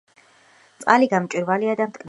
წყალი გამჭვირვალეა და მტკნარი.